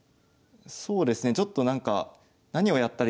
そうですねちょっとなんか何をやったらいいのかがね。